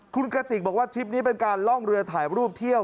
คุณกระติกบอกว่าทริปนี้เป็นการล่องเรือถ่ายรูปเที่ยว